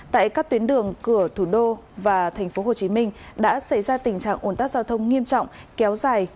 tại các tuyến đường cửa thủ đô và tp hcm đã xảy ra tình trạng ồn tắc giao thông nghiêm trọng kéo dài